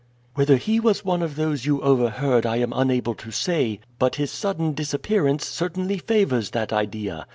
"Whether he was one of those you overheard I am unable to say, but his sudden disappearance certainly favors that idea.